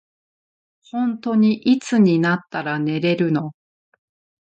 ほんとにいつになったら寝れるの。